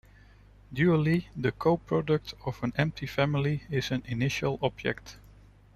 Dually, the coproduct of an empty family is an initial object.